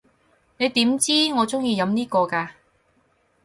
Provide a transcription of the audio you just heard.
你點知我中意飲呢個㗎？